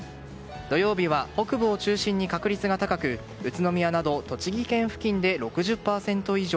土曜日は北部を中心に確率が高く宇都宮など栃木県付近で６０％以上。